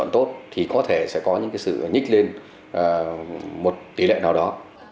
nhưng có thể sẽ có những sự nhích lên một tỷ lệ nào đó